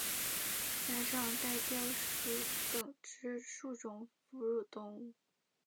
假掌袋貂属等之数种哺乳动物。